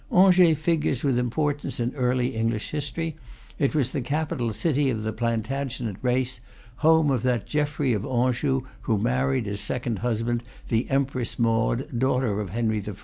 Angers figures with importance in early English history: it was the capital city of the Plantagenet race, home of that Geoffrey of Anjou who married, as second husband, the Empress Maud, daughter of Henry I.